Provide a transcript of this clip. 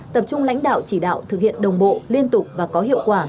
tập trung lãnh đạo chỉ đạo thực hiện đồng bộ liên tục và có hiệu quả